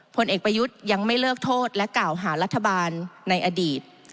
ผลเอกประยุทธ์ยังไม่เลิกโทษและกล่าวหารัฐบาลในอดีต